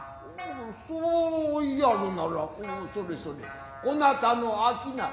そういやるならソレソレこなたの商い